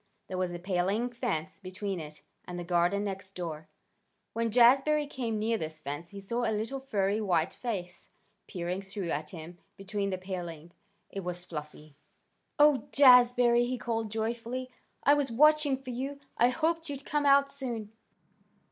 There was a paling fence between it and the garden next door. When Jazbury came near this fence he saw a little furry white face peering through at him between the palings. It was Fluffy. "Oh, Jazbury!" he called joyfully. "I was watching for you. I hoped you'd come out soon."